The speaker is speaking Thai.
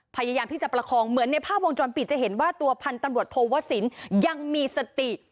พยายามที่จะประคองเหมือนในภาพวงจรปิดจะเห็นว่าตัวพันธุ์ตำรวจโทวสินยังมีสติ